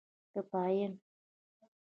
کمپاین